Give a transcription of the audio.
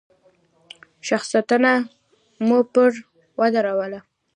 شنخته مو پر ودروله.